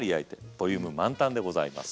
ボリューム満タンでございます。